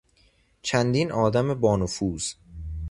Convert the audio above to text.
چندین آدم بانفوذ